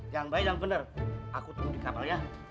yang baik yang bener aku tunggu di kapal ya